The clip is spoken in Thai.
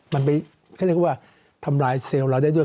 มันไปเขาเรียกว่าทำลายเซลล์เราได้ด้วย